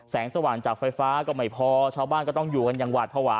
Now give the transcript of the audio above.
สว่างจากไฟฟ้าก็ไม่พอชาวบ้านก็ต้องอยู่กันอย่างหวาดภาวะ